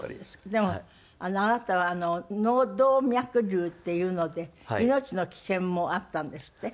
でもあなたは脳動脈瘤っていうので命の危険もあったんですって？